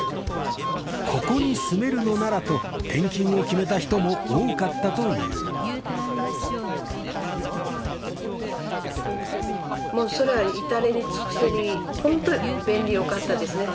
ここに住めるのならと転勤を決めた人も多かったというもうそれは至れり尽くせりホント便利よかったですね